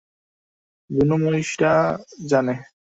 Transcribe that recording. বুনো মহিষটা জানে।